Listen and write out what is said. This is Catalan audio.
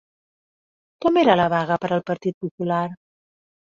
Com era la vaga per al Partit Popular?